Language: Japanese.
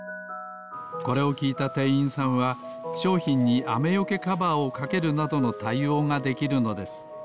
これをきいたてんいんさんはしょうひんにあめよけカバーをかけるなどのたいおうができるのです。